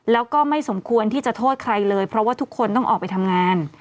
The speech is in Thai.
แล้วก็ไม่สมควรที่จะโทษใครเลยเพราะว่าทุกคนต้องออกไปทำงาน